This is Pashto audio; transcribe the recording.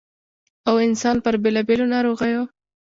٫ او انسـان پـر بېـلابېـلو نـاروغـيو